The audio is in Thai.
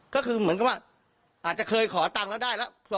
ก็คือเหมือนกับว่าอาจจะเคยขอตังค์แล้วได้ละ